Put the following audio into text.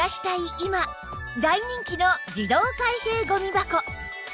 今大人気の自動開閉ゴミ箱